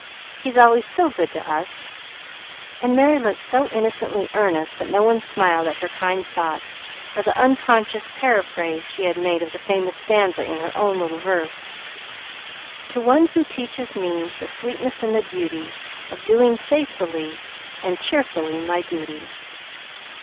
He's always so good to us;" and Merry looked so innocently earnest that no one smiled at her kind thought or the unconscious paraphrase she had made of a famous stanza in her own "little verse." "To one who teaches me The sweetness and the beauty Of doing faithfully And cheerfully my duty."